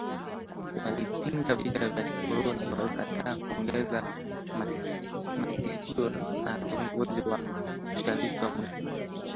walipinga vita vya kikoloni walikataa kuongeza makisio na kiongozi wa wasoshalisti mwezi wa nane